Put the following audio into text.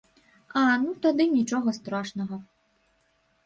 А, ну тады нічога страшнага.